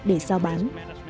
để sao bán